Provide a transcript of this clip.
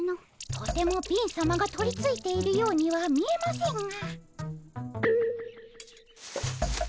とても貧さまが取りついているようには見えませんが。